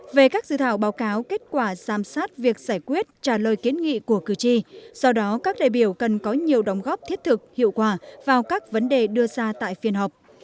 về các dự thảo báo cáo kết quả giám sát việc giải quyết trả lời kiến nghị của cử tri do đó các đại biểu cần có nhiều đóng góp thiết thực hiệu quả vào các vấn đề đưa ra tại phiên họp